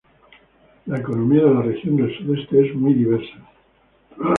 La economía de la Región del Sudoeste es muy diversa.